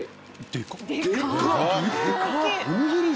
でかい。